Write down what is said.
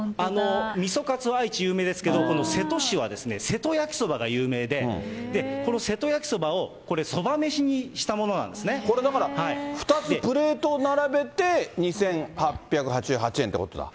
みそカツは愛知、有名ですけど、この瀬戸市は瀬戸焼きそばが有名で、この瀬戸焼きそばをこれ、そこれ、だから、２つプレートを並べて、２８８８円ということだ？